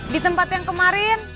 di tempat yang kemarin